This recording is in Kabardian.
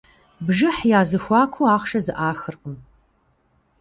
Бжыхь я зэхуакуу ахъшэ зэӏахыркъым.